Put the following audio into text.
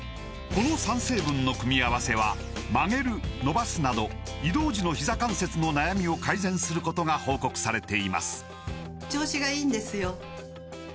この３成分の組み合わせは曲げる伸ばすなど移動時のひざ関節の悩みを改善することが報告されています